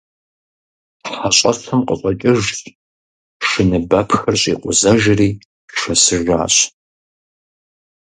ХьэщӀэщым къыщӀэкӀыжщ, шыныбэпхыр щӀикъузэжри шэсыжащ.